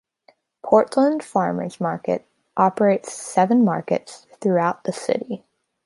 Portland Farmers Market operates seven markets throughout the city.